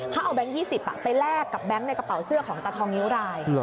ถ้าเอาแบงค์๒๐ไปแลกกับแบงค์ในกระเป๋าเสื้อของกระทองิวราย